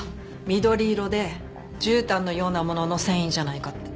緑色でじゅうたんのようなものの繊維じゃないかって。